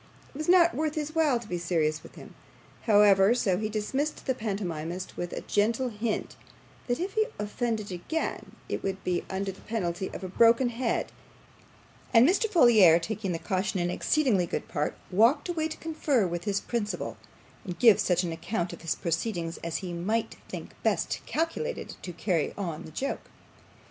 It was not worth his while to be serious with him, however, so he dismissed the pantomimist, with a gentle hint that if he offended again it would be under the penalty of a broken head; and Mr. Folair, taking the caution in exceedingly good part, walked away to confer with his principal, and give such an account of his proceedings as he might think best calculated to carry on the joke.